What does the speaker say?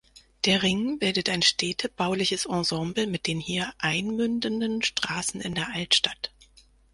Der Ring bildet ein städtebauliches Ensemble mit den hier einmündenden Straßen in der Altstadt.